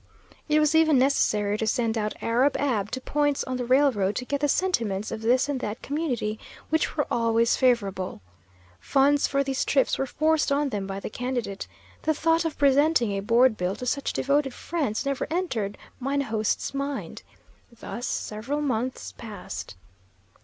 It was even necessary to send out Arab Ab to points on the railroad to get the sentiments of this and that community, which were always favorable. Funds for these trips were forced on them by the candidate. The thought of presenting a board bill to such devoted friends never entered mine host's mind. Thus several months passed.